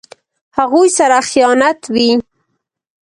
هغوی سره خیانت وي.